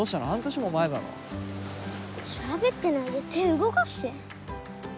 しゃべってないで手動かして！